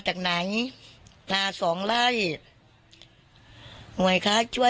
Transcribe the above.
สงสันหนูเนี่ยว่าสงสันหนูเนี่ยมีกระทิแววออกได้จังไหน